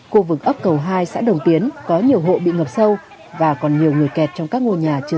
khu vực ấp cầu hai xã đồng tiến có nhiều hộ bị ngập sâu và còn nhiều người kẹt trong các ngôi nhà chưa